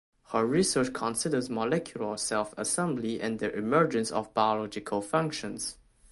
Her research considers molecular self assembly and the emergence of biological functions.